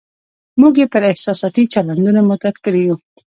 موږ یې پر احساساتي چلندونو معتاد کړي یو.